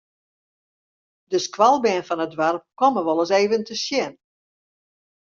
De skoalbern fan it doarp komme wolris even te sjen.